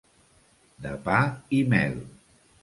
De pa i mel.